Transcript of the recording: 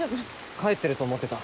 帰ってると思ってた。